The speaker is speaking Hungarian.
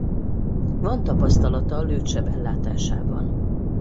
Van tapasztalata lőtt seb ellátásában.